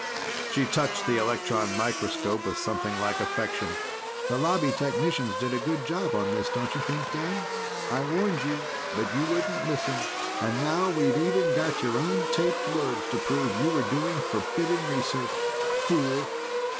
She touched the electron microscope with something like affection. "The Lobby technicians did a good job on this, don't you think, Dan? I warned you, but you wouldn't listen. And now we've even got your own taped words to prove you were doing forbidden research. Fool!"